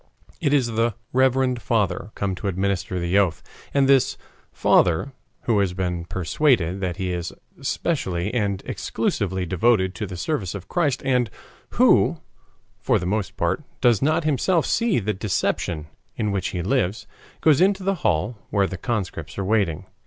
It is the "reverend father" come to administer the oath. And this "father," who has been persuaded that he is specially and exclusively devoted to the service of Christ, and who, for the most part, does not himself see the deception in which he lives, goes into the hall where the conscripts are waiting.